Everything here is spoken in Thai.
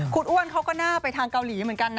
คุณอ้วนเขาก็น่าไปทางเกาหลีเหมือนกันนะ